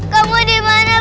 kamu dimana bagus